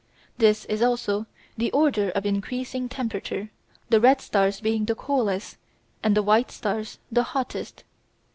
This is also the order of increasing temperature, the red stars being the coolest and the white stars the hottest.